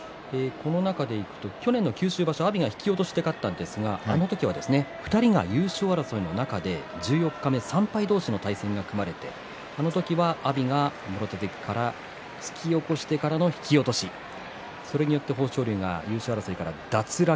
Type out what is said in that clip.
去年の九州場所、阿炎が引き落としで勝ったんですがあの時は２人が優勝争いの中で１４日目、３敗同士の対戦が組まれて阿炎が突き起こしてからの引き落としそれによって豊昇龍が優勝争いから脱落。